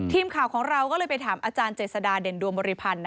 ทีมข่าวของเราก็เลยไปถามอาจารย์เจษฎาเด่นดวงบริพันธ์